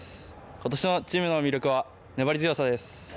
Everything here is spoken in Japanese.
今年のチームの魅力は粘り強さです。